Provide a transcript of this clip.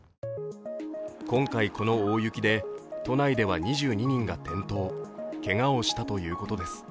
今回この大雪で都内では２２人が転倒、けがをしたということです。